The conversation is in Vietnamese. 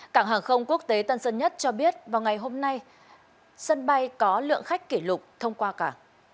cảng hàng không quốc tế tân sơn nhất cho biết vào ngày hôm nay sân bay có lượng khách kỷ lục thông qua cảng